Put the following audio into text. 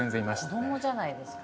子どもじゃないですか。